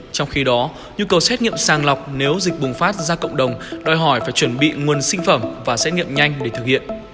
trong khi đó nhu cầu xét nghiệm sàng lọc nếu dịch bùng phát ra cộng đồng đòi hỏi phải chuẩn bị nguồn sinh phẩm và xét nghiệm nhanh để thực hiện